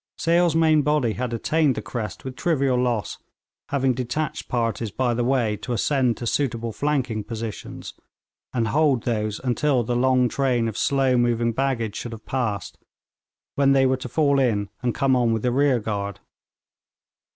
Sale's main body had attained the crest with trivial loss, having detached parties by the way to ascend to suitable flanking positions, and hold those until the long train of slow moving baggage should have passed, when they were to fall in and come on with the rear guard.